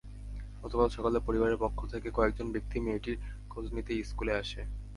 গতকাল সকালে পরিবারের পক্ষ থেকে কয়েকজন ব্যক্তি মেয়েটির খোঁজ নিতে স্কুলে আসে।